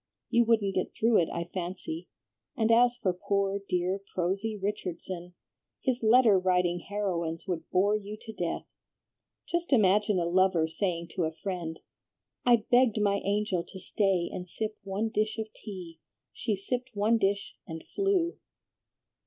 You wouldn't get through it, I fancy; and as for poor, dear, prosy Richardson, his letter writing heroines would bore you to death. Just imagine a lover saying to a friend, 'I begged my angel to stay and sip one dish of tea. She sipped one dish and flew.'"